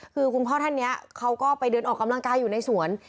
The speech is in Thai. คือคุณพ่อท่านนี้เขาก็ไปเดินออกกำลังกายอยู่ในสวน